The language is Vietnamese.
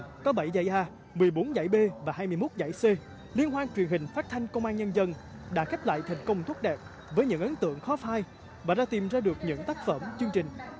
những chương trình truyền hình có bảy dạy a một mươi bốn dạy b và hai mươi một dạy c liên hoan truyền hình phát thanh công an nhân dân đã kết lại thành công thuốc đẹp với những ấn tượng khó phai và đã tìm ra được những tác phẩm chương trình